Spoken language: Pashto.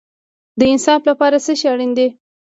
د انصاف لپاره څه شی اړین دی؟